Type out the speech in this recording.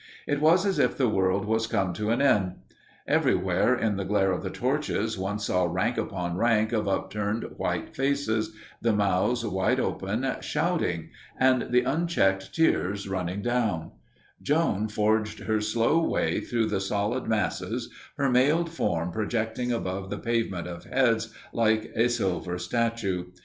It was as if the world was come to an end. Everywhere in the glare of the torches one saw rank upon rank of upturned, white faces, the mouths wide open, shouting, and the unchecked tears running down; Joan forged her slow way through the solid masses, her mailed form projecting above the pavement of heads like a silver statue.